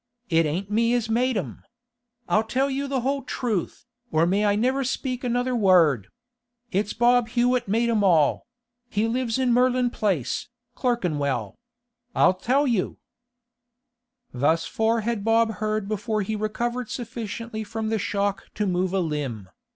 It ain't me as made 'em! I'll tell you the whole truth, or may I never speak another word! It's Bob Hewett made 'em all—he lives in Merlin Place, Clerkenwell. I'll tell you—' Thus far had Bob heard before he recovered sufficiently from the shock to move a limb.